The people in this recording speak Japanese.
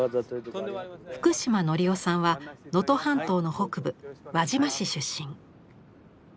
福嶋則夫さんは能登半島の北部輪島市出身。